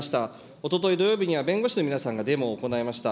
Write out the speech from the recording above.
おととい土曜日には弁護士の皆さんがデモを行いました。